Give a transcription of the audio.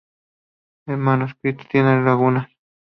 El manuscrito tiene lagunas.